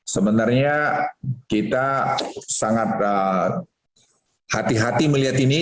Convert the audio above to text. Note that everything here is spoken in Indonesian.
sebenarnya kita sangat hati hati melihat ini